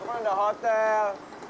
kan ada hotel